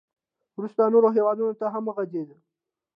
• وروسته نورو هېوادونو ته هم وغځېد.